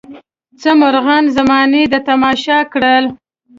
څه مرغان زمانې د تماشو کړل.